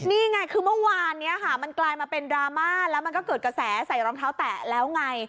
นี่ไงคือเมื่อวานนี้ค่ะมันกลายมาเป็นดราม่าแล้วมันก็เกิดกระแสใส่รองเท้าแตะแล้วไง